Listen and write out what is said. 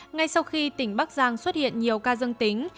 ngay sau khi tỉnh bắc giang xuất hiện nhiều ca dân tính